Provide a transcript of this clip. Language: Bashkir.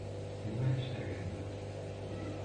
«Нимә эшләргә?»